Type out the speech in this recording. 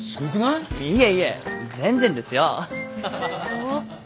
そっか。